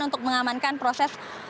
untuk mengamankan proses